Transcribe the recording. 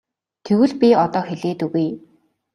Тэгвэл би одоо хэлээд өгье.